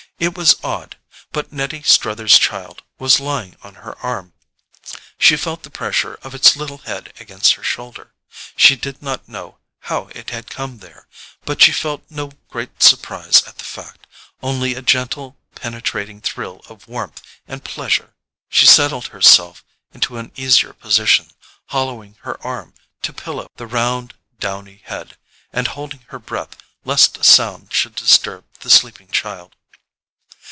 It was odd—but Nettie Struther's child was lying on her arm: she felt the pressure of its little head against her shoulder. She did not know how it had come there, but she felt no great surprise at the fact, only a gentle penetrating thrill of warmth and pleasure. She settled herself into an easier position, hollowing her arm to pillow the round downy head, and holding her breath lest a sound should disturb the sleeping child.